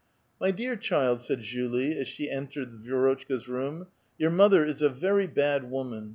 "My dear child," said Julie, as she entered Vi^rotchka's room, "' your mother is a very bad woman.